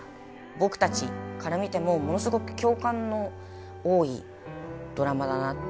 僕たちから見てもものすごく共感の多いドラマだなって。